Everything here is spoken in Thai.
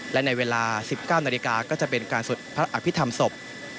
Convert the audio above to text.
และในเวลา๑๙นาฬิกาก็จะเป็นการสวดพระอภิษฐรรมศพ